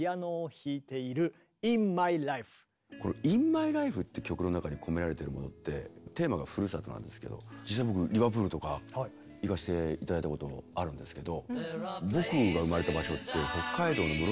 「イン・マイ・ライフ」って曲の中に込められているものってテーマがふるさとなんですけど実際僕リバプールとか行かせて頂いたこともあるんですけど。